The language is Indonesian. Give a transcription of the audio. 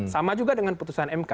sama juga dengan putusan mk